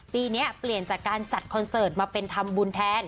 ปีนี้เปลี่ยนจากการจัดคอนเสิร์ตมาเป็นทำบุญแทน